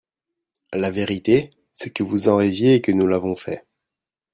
La vérité, c’est que vous en rêviez et que nous l’avons fait